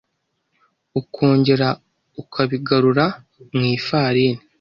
ukongera ukabigarura mu ifarini,